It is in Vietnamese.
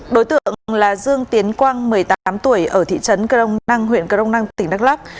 đối tượng là dương tiến quang một mươi tám tuổi ở thị trấn cờ đông năng huyện cờ đông năng tỉnh đắk lắk